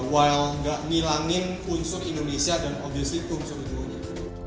while gak ngilangin unsur indonesia dan obviously unsur dunia